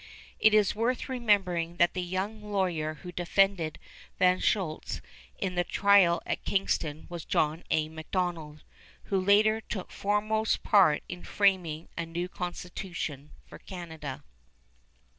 It is worth remembering that the young lawyer who defended Van Shoultz in the trial at Kingston was a John A. Macdonald, who later took foremost part in framing a new constitution for Canada.